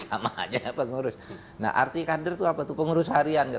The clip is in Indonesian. sama aja ya pengurus nah arti kader itu apa tuh pengurus harian